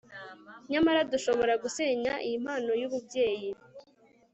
nyamara dushobora gusenya iyi mpano y'ububyeyi